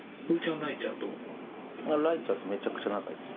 雷ちゃんとめちゃくちゃ仲いいですよ。